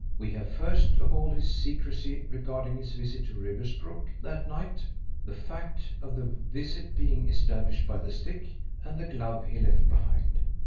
We have first of all his secrecy regarding his visit to Riversbrook that night; the fact of the visit being established by the stick, and the glove he left behind.